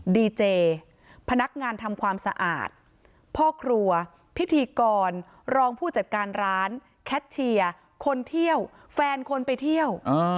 ดีเจพนักงานทำความสะอาดพ่อครัวพิธีกรรองผู้จัดการร้านแคทเชียร์คนเที่ยวแฟนคนไปเที่ยว